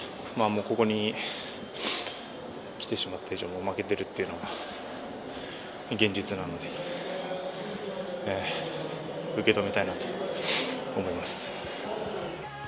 ここにきてしまった以上負けているというのは現実なので受け止めたいなと思います。